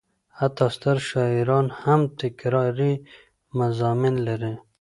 حتی ستر شاعران هم تکراري مضامین لري.